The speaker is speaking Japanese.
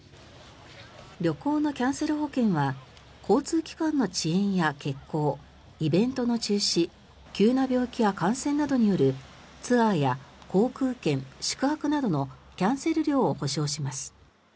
旅行のキャンセル保険は交通機関の遅延や欠航イベントの中止急な病気や感染などによるツアーや航空券宿泊などのキャンセル料を補償します。